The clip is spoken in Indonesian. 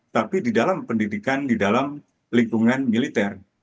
tapi di dalam pendidikan di dalam lingkungan militer